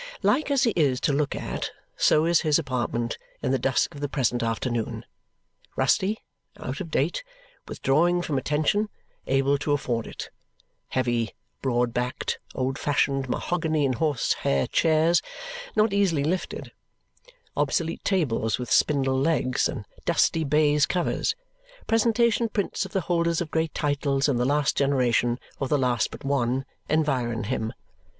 Like as he is to look at, so is his apartment in the dusk of the present afternoon. Rusty, out of date, withdrawing from attention, able to afford it. Heavy, broad backed, old fashioned, mahogany and horsehair chairs, not easily lifted; obsolete tables with spindle legs and dusty baize covers; presentation prints of the holders of great titles in the last generation or the last but one, environ him.